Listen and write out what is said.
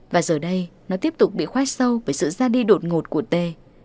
và giờ đây nó tiếp tục bị khoát sâu với sự ra đi đột ngột của tê